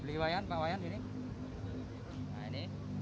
ini pak wayan